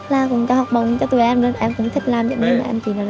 là cũng cho học bổng cho tụi em em cũng thích làm giống như là anh chị